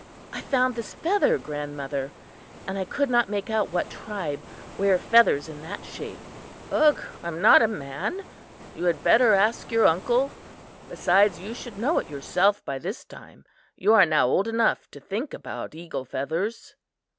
"I found this feather, grandmother, and I could not make out what tribe wear feathers in that shape." "Ugh, I am not a man; you had better ask your uncle. Besides, you should know it yourself by this time. You are now old enough to think about eagle feathers."